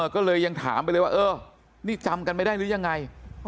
ก็เลยยังถามไปเลยว่าเออนี่จำกันไม่ได้หรือยังไง